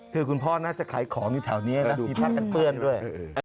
คือคุณพ่อน่าจะขายของอยู่แถวนี้แล้วดูผ้ากันเปื้อนด้วย